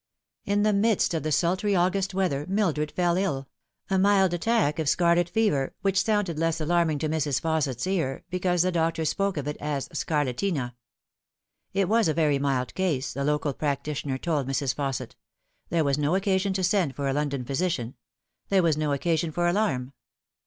In the midst of the sultry August weather Mildred fell ill a mild attack of scarlet fever, which sounded less alarming to Mrs. Fausset's ear, because the doctor spoke of it as scarlatina. It was a very mild case, the local practitioner told Mrs. Fausset ; there was no occasion to send for a London physician ; there was no occasion for alarm.